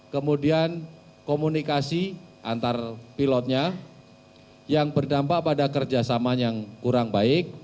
kemudian komunikasi antar pilotnya yang berdampak pada kerjasama yang kurang baik